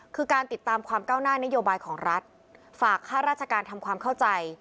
คือการติดตามความก้าวหน้านโยบายของรัฐฝากค่าราชการทำความเข้าใจ